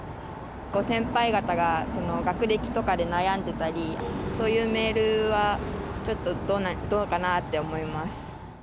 先輩方が、学歴とかで悩んでたり、そういうメールはちょっとどうかなって思います。